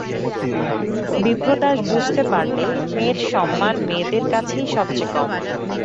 বিপ্রদাস বুঝতে পারলে মেয়ের সম্মান মেয়েদের কাছেই সব চেয়ে কম।